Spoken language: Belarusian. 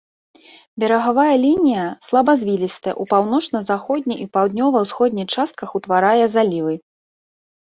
Берагавая лінія слабазвілістая, у паўночна-заходняй і паўднёва-ўсходняй частках утварае залівы.